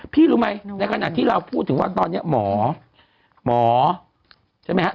รู้ไหมในขณะที่เราพูดถึงว่าตอนนี้หมอหมอใช่ไหมฮะ